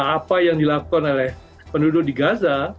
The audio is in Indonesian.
apa yang dilakukan oleh penduduk di gaza